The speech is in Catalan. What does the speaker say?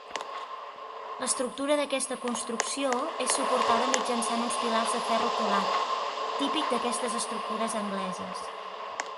L'estructura d'aquesta construcció és suportada mitjançant uns pilars de ferro colat, típic d'aquestes estructures angleses.